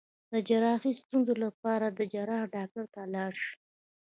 د جراحي ستونزو لپاره د جراح ډاکټر ته لاړ شئ